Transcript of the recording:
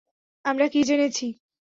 আমরা কী জেনেছি?